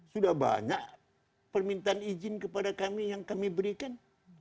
sudah banyak permintaan izin kepada kami yang kami berikan